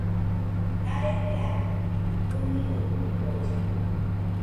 Arefe atɨ ɨniroi tɨfollena